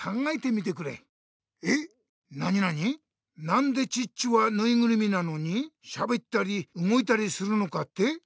なんでチッチはぬいぐるみなのにしゃべったりうごいたりするのかって？